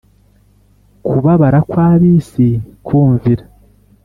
Kubabara kw ab isi Kumvira